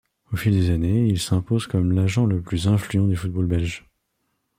Au fil des années, il s'impose comme l'agent le plus influent du football belge.